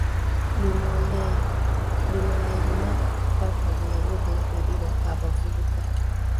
Luno lee lunaku "Paapa" lwe yayogera eri abavubuka.